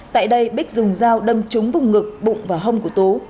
tại đây bích dùng dao đâm trúng vùng ngực bụng và hông của tú